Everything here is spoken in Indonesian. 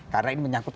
karena ini menyangkut